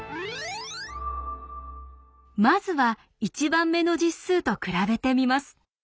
まずは１番目の実数と比べてみます。